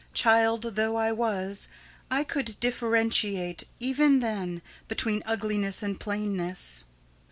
Child though I was, I could differentiate even then between ugliness and plainness.